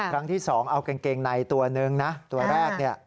ครั้งที่สองเอากางเกงในตัวนึงนะตัวแรกเนี่ย